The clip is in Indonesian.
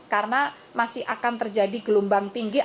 karena masih akan terjadi gelombang tinggi